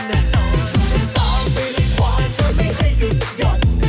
ต้องไปเลยความเธอไม่ให้หยุดหย่อน